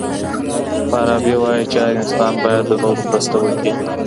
فارابي وايي چي هر انسان بايد د نورو مرسته وکړي.